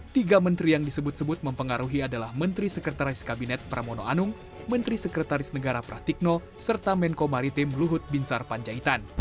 tiga menteri yang disebut sebut mempengaruhi adalah menteri sekretaris kabinet pramono anung menteri sekretaris negara pratikno serta menko maritim luhut binsar panjaitan